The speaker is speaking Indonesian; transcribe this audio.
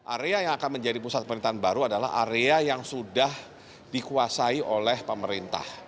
area yang akan menjadi pusat pemerintahan baru adalah area yang sudah dikuasai oleh pemerintah